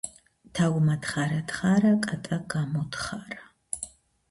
თაგვმა თხარა თხარა, კატა გამოთხარა.